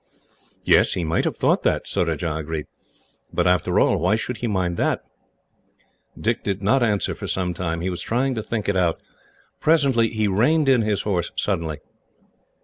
"Yes, he might have thought that," Surajah agreed; "but after all, why should he mind that?" Dick did not answer for some time. He was trying to think it out. Presently, he reined in his horse suddenly.